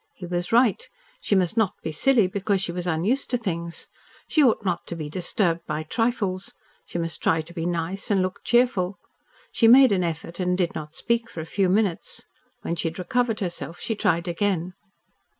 He was right. She must not be silly because she was unused to things. She ought not to be disturbed by trifles. She must try to be nice and look cheerful. She made an effort and did no speak for a few minutes. When she had recovered herself she tried again.